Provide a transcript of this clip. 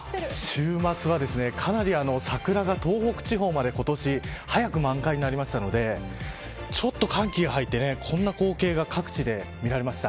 週末は、かなり桜が東北地方まで今年、早く満開になったのでちょっと寒気が入ってこんな光景が各地で見られました。